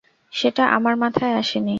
সেটা আমার মাথায় আসেনি।